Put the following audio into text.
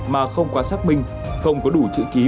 mà không qua xác minh không có đủ chữ ký của người vay